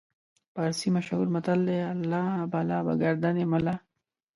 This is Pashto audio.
فارسي مشهور متل دی: الله بلا به ګردن ملا.